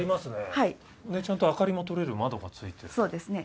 はいでちゃんと明かりもとれる窓がついてるそうですね